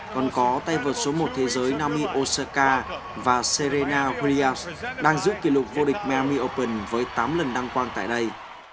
còn có tay vợt số một thế giới naomi osaka và serena williams đang giữ kỷ lục vô địch miami open với tám lần đăng quang tại đây